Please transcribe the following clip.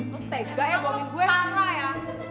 lo tega ya bawa gue parah ya